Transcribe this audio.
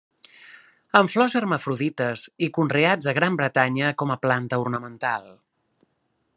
Amb flors hermafrodites i conreats a Gran Bretanya com a planta ornamental.